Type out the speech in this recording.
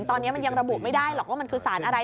ตอนนี้มันยังระบุไม่ได้หรอกว่ามันคือสารอะไร